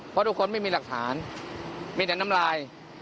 เพราะทุกคนไม่มีหลักฐานมีแต่น้ำลาย